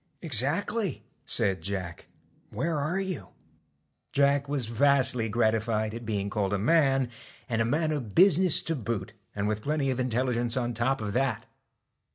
' Exactly,' said Jack, ' Where are you ?* Jack was vastly gratified at being called a man, and a man of business to boot, and with plenty of intelligence on top of that.